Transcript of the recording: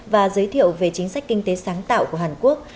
và giới thiệu về chính sách kinh tế sáng tạo của hàn quốc